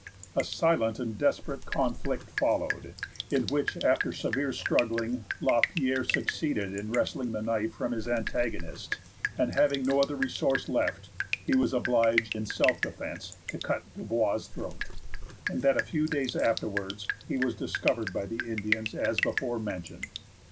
A silent and desperate conflict followed, in which, after severe struggling, La Pierre succeeded in wresting the knife from his antagonist, and, having no other resource left, he was obliged in self defence to cut Dubois's throat; and that a few days afterwards he was discovered by the Indians as before mentioned.